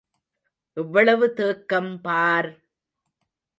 எவ்வளவு தேக்கம் பார்!